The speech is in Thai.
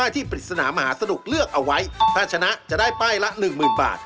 ถ้าชนะจะได้ป้ายละ๑๐๐๐๐บาท